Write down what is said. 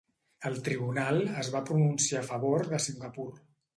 El Tribunal es va pronunciar a favor de Singapur.